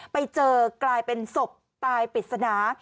ไปเจอกลายเป็นศพตายปริศนา